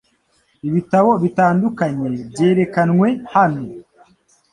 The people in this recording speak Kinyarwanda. Ibitabo bitandukanye byerekanwe hano.